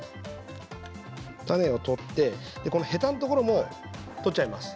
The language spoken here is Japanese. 種を取ってヘタのところも取っちゃいます。